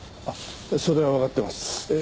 あっそれはわかっています。